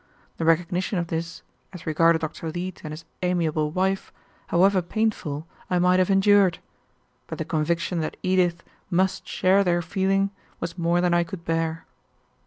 The recognition of this, as regarded Dr. Leete and his amiable wife, however painful, I might have endured, but the conviction that Edith must share their feeling was more than I could bear.